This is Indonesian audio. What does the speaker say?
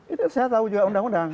itu saya tahu juga undang undang